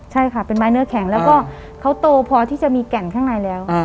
ใช่ค่ะเป็นไม้เนื้อแข็งแล้วก็เขาโตพอที่จะมีแก่นข้างในแล้ว